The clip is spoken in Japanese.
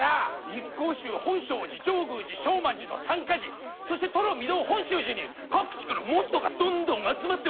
一向宗本證寺上宮寺勝鬘寺の三か寺そして土呂御堂本宗寺に各地から門徒がどんどん集まっております！